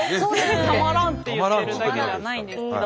たまらんって言ってるだけじゃないんですけど。